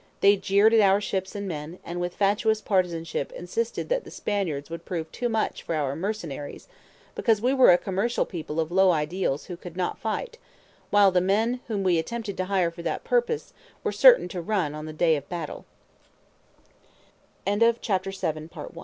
They jeered at our ships and men, and with fatuous partisanship insisted that the Spaniards would prove too much for our "mercenaries" because we were a commercial people of low ideals who could not fight, while the men whom we attempted to hire for that purpose were certain to run on the day of batt